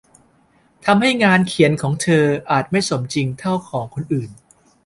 ทำให้งานเขียนของเธออาจไม่สมจริงเท่าของคนอื่น